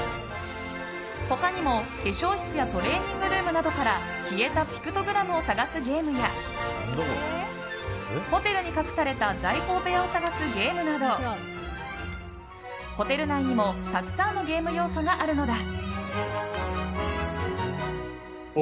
他にも、化粧室やトレーニングルームなどから消えたピクトグラムを探すゲームやホテルに隠された財宝部屋を探すゲームなどホテル内にもたくさんのゲーム要素があるのだ。